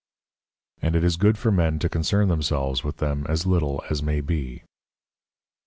And it is good for men to concern themselves with them as little as may be.